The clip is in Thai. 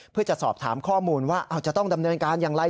เพื่อจะสอบถามข้อมูลว่าจะต้องดำเนินการอย่างไร